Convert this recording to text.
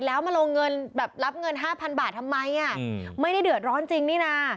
แล้วมาลงเงินแบบรับเงิน๕๐๐บาททำไมอ่ะไม่ได้เดือดร้อนจริงนี่นะ